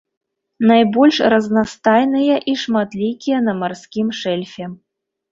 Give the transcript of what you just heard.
Найбольш разнастайныя і шматлікія на марскім шэльфе.